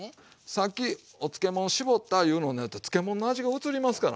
さっきお漬物絞ったいうのやったら漬物の味がうつりますからね。